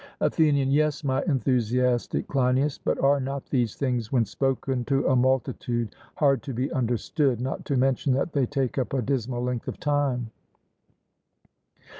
ATHENIAN: Yes, my enthusiastic Cleinias; but are not these things when spoken to a multitude hard to be understood, not to mention that they take up a dismal length of time?